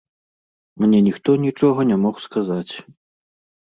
Мне ніхто нічога не мог сказаць.